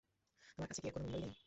তোমার কাছে কি এর কোনো মূল্যই নেই?